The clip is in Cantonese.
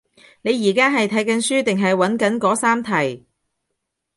你而家係睇緊書定係揾緊嗰三題？